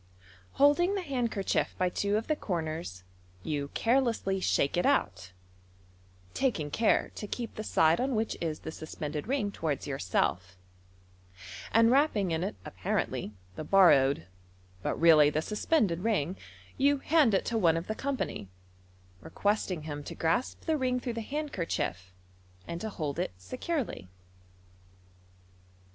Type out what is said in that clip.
Holding the handkerchief by two of the corners, you carelessly shake it out (taking care to keep the side on which is the suspended ring towards yourself), and wrapping in it appaientlv the borrowed, but really the suspended MODERN MAGIC, ring, you hand it to one of the company, requesting him to grasp the ring through the handkerchief, and to hold it securely.